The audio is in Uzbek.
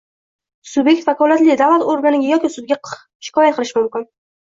subyekt vakolatli davlat organiga yoki sudga shikoyat qilishi mumkin.